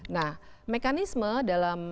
nah mekanisme di dalam lembaga